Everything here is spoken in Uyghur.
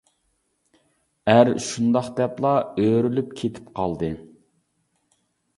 ئەر شۇنداق دەپلا ئۆرۈلۈپ كېتىپ قالدى.